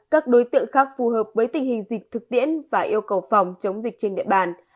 các đối tượng khác phù hợp với tình hình dịch thực tiễn và yêu cầu phòng chống dịch trên địa bàn